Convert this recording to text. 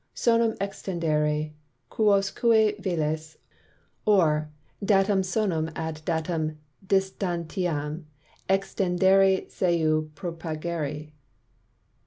Sonum extendere quousque velis; or, Datum sonum ad datum distantiam extendere seu propagare.